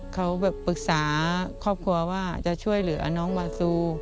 เขาแบบปรึกษาครอบครัวว่าจะช่วยเหลือน้องบาซู